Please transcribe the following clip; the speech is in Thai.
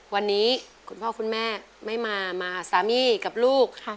วันนี้คุณพ่อคุณแม่ไม่มามาสามีกับลูก